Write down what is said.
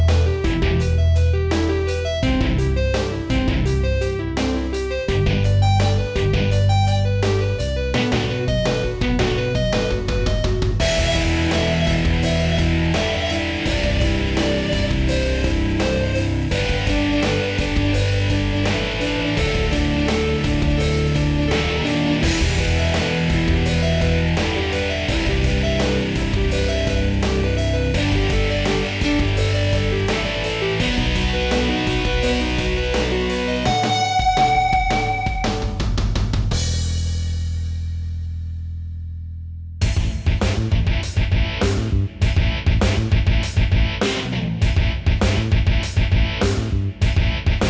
oke sekarang gue kasih sepuluh juta